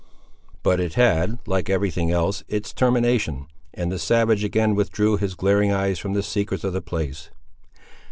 But it had, like every thing else, its termination, and the savage again withdrew his glaring eyes from the secrets of the place.